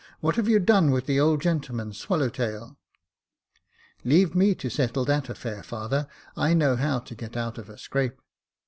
What have you done with the old gentleman's swallow tail ?"" Leave me to settle that affair, father ; I know how to get out of a scrape."